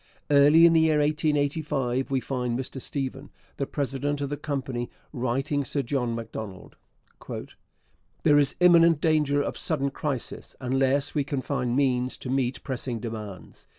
Early in the year 1885 we find Mr Stephen, the president of the company, writing Sir John Macdonald: [There is] imminent danger of sudden crisis unless we can find means to meet pressing demands....